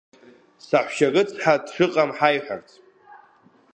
Саҳәшьа рыцҳа дшыҟам ҳаиҳәарц…